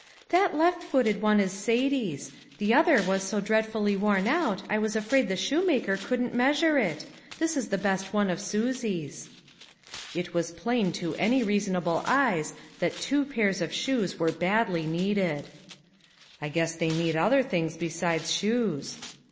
" That left>footed one is Satie's. The other was so dreadfully worn out, I was afraid the LONG STORIES TO TELL. 127 shoemaker couldn't measure it. This is the best one of Susie's." It was plain to any reasonable eyes that two pairs of shoes were badly needed. " I guess they need other things besides shoes."